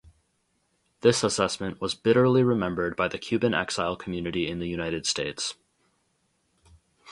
This assessment was bitterly remembered by the Cuban exile community in the United States.